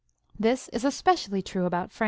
IM This is especially true about France.